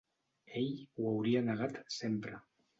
Ell ho hauria negat sempre.